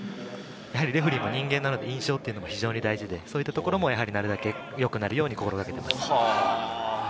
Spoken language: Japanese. レフェリーも人間なので、印象っていうのが非常に大事で、そういったところもなるだけ良くなるように心がけていました。